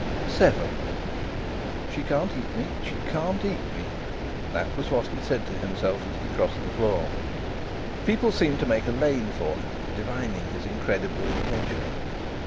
VII "She can't eat me. She can't eat me!" This was what he said to himself as he crossed the floor. People seemed to make a lane for him, divining his incredible intention.